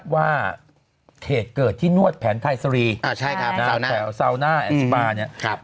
ว่าเทศเกิดที่นวดแผนไทยสรีอ่าใช่ครับแสวน่าแสวน่าแอสปาร์เนี่ยครับ